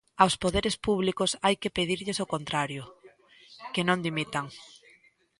Aos poderes públicos hai que pedirlles o contrario: que non dimitan.